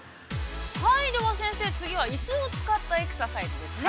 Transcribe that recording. ◆では先生、次は椅子を使ったエクササイズですね。